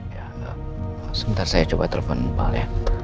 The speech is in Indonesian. ya sebentar saya coba telfon pak alia